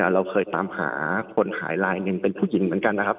เราเคยตามหาคนหายลายเงินเป็นผู้หญิงเหมือนกัน